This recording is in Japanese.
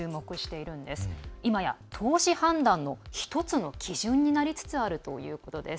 いまや、投資判断の１つの基準になりつつあるということです。